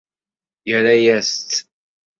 Yerra-yas-tt.